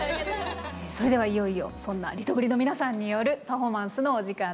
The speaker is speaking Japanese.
それではいよいよそんなリトグリの皆さんによるパフォーマンスのお時間です。